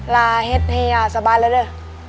ลาเห็ดให้ยาสบายแล้วเด้อ